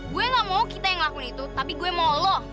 gue gak mau kita yang ngelakuin itu tapi gue molo